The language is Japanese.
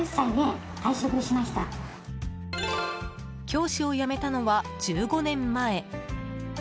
教師を辞めたのは１５年前。